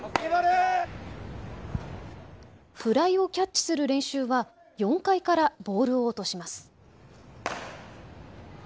フライをキャッチする練習は４階からボールを落とします。